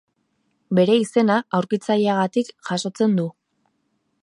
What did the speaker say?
Bere izena, aurkitzaileagatik jasotzen du.